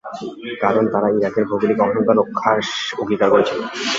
কারণ, তারা ইরাকের ভৌগোলিক অখণ্ডতা রক্ষার অঙ্গীকার করেছিল।